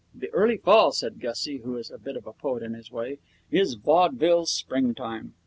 The early fall,' said Gussie, who is a bit of a poet in his way, 'is vaudeville's springtime.